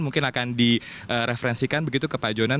mungkin akan direferensikan begitu ke pak jonan